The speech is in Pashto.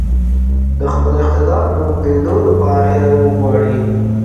د خپل اقتدار د اوږدېدو لپاره يې راغواړي.